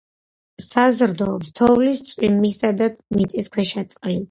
საზრდოობს თოვლის, წვიმისა და მიწისქვეშა წყლით.